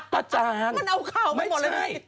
ประจานไม่ใช่มันเอาข่าวมาหมดเลย